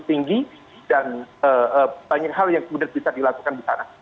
tinggi dan banyak hal yang kemudian bisa dilakukan di sana